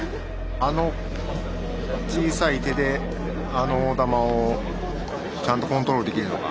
あの小さい手であの大玉をちゃんとコントロールできるのか。